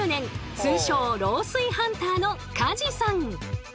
通称漏水ハンターの梶さん。